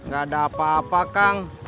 gak ada apa apa kang